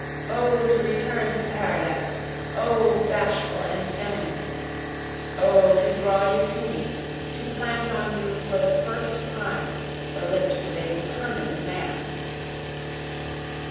O to return to Paradise! O bashful and feminine! O to draw you to me, to plant on you for the first time the lips of a determin'd man.